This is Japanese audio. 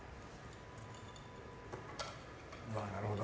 あぁなるほど。